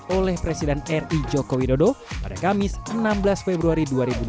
oleh presiden ri joko widodo pada kamis enam belas februari dua ribu dua puluh